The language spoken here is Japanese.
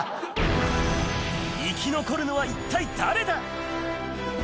生き残るのは一体誰だ？